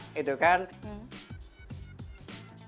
kita bisa melakukan hal hal yang sangat baik